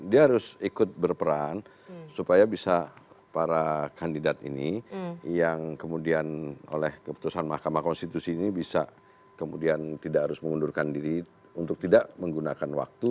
dia harus ikut berperan supaya bisa para kandidat ini yang kemudian oleh keputusan mahkamah konstitusi ini bisa kemudian tidak harus mengundurkan diri untuk tidak menggunakan waktu